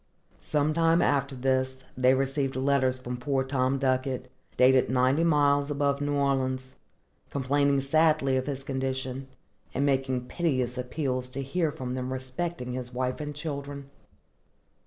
Some time after this, they received letters from poor Tom Ducket, dated ninety miles above New Orleans, complaining sadly of his condition, and making piteous appeals to hear from them respecting his wife and children.